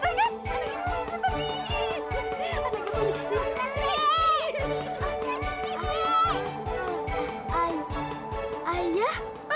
anak ibu mau ikutan sama ayah